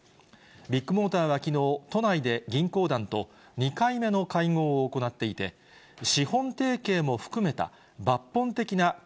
ビッグモーターはきのう、都内で銀行団と２回目の会合を行っていて、ことです。